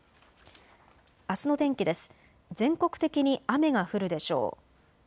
あすの天気です。